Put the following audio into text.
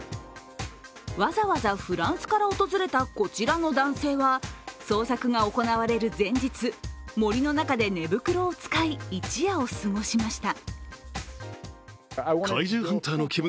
わざわざフランスから訪れたこちらの男性は捜索が行われる前日森の中で寝袋を使い、一夜を過ごしました。